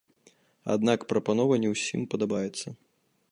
Аднак прапанова не ўсім падабаецца.